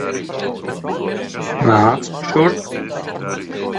Nāc šurp.